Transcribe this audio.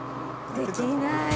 できない。